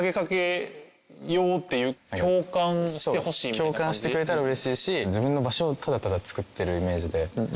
共感してくれたらうれしいし自分の場所をただただつくってるイメージで。